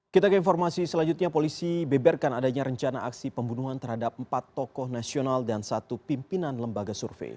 kita ke informasi selanjutnya polisi beberkan adanya rencana aksi pembunuhan terhadap empat tokoh nasional dan satu pimpinan lembaga survei